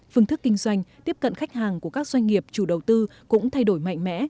phương thức kinh doanh tiếp cận khách hàng của các doanh nghiệp chủ đầu tư cũng thay đổi mạnh mẽ